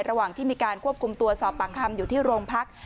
ระหว่างที่มีการควบคุมตัวสอบปากคำอยู่ที่โรงพัก